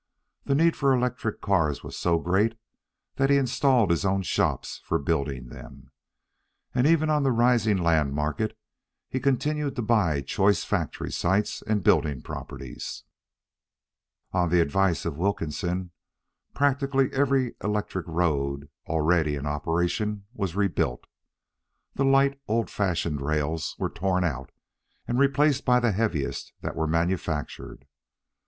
The need for electric cars was so great that he installed his own shops for building them. And even on the rising land market, he continued to buy choice factory sites and building properties. On the advice of Wilkinson, practically every electric road already in operation was rebuilt. The light, old fashioned rails were torn out and replaced by the heaviest that were manufactured.